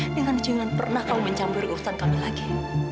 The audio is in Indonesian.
dengan jangan pernah kamu mencampur urusan kami lagi